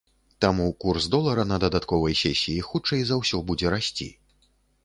Таму курс долара на дадатковай сесіі, хутчэй за ўсё, будзе расці.